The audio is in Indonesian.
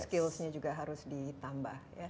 skillsnya juga harus ditambah